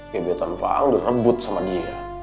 kebetulan pak ang direbut sama dia